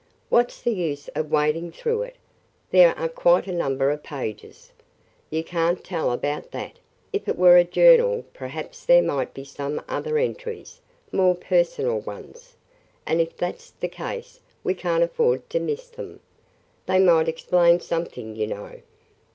"What 's the use of wading through it? There are quite a number of pages." "You can't tell about that. If it were a Journal, perhaps there might be some other entries – more personal ones. And if that 's the case we can't afford to miss them. They might explain something, you know."